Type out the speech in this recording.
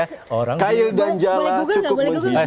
kayu dan jala cukup menjilu